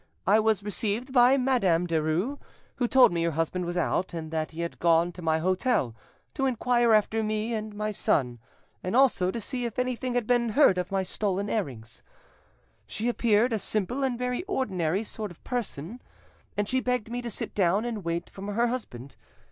I was received by Madame Derues, who told me her husband was out, and that he had gone to my hotel to inquire after me and my son, and also to see if anything had been heard of my stolen earrings. She appeared a simple and very ordinary sort of person, and she begged me to sit down and wait for her husband.